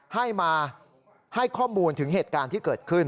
ให้มาให้ข้อมูลถึงเหตุการณ์ที่เกิดขึ้น